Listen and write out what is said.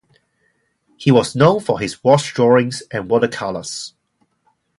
He was known for his wash drawings and water colours.